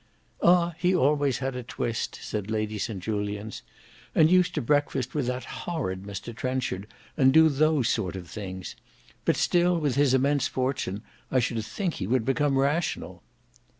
"Ah! he always had a twist," said Lady St Julians, "and used to breakfast with that horrid Mr Trenchard, and do those sort of things. But still with his immense fortune, I should think he would become rational."